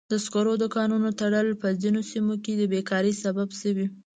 د سکرو د کانونو تړل په ځینو سیمو کې د بیکارۍ سبب شوی.